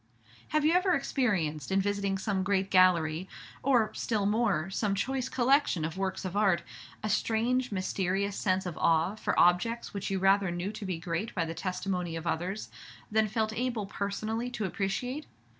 Have you ever experienced, in visiting some great gallery, or, still more, some choice collection of works of art, a strange, mysterious sense of awe for objects which you rather knew to be great by the testimony of others, than felt able personally to appreciate?